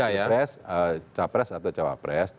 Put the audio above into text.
apakah posisinya pilpres capres atau cawapres